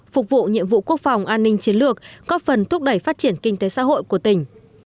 phục vụ nhiệm vụ quốc phòng an ninh chiến lược góp phần thúc đẩy phát triển kinh tế xã hội của tỉnh